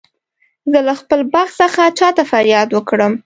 زه له خپل بخت څخه چا ته فریاد وکړم.